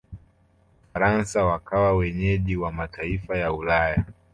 ufaransa wakawa wenyeji wa mataifa ya ulaya